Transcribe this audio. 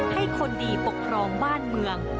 ให้คนดีปกครองบ้านเมือง